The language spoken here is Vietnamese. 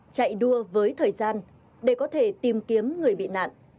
chạy đua với thời gian để có thể tìm kiếm người bị nạn